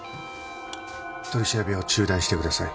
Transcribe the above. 取り調べを中断してください。